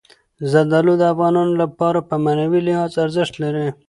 زردالو د افغانانو لپاره په معنوي لحاظ ارزښت لري.